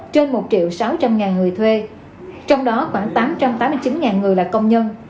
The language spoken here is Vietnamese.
trên một sáu trăm linh người thuê trong đó khoảng tám trăm tám mươi chín người là công nhân